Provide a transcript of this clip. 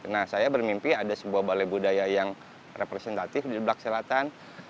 nah saya bermimpi ada sebuah balai budaya yang representatif di belakang selatan